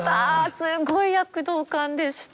すごい躍動感でした。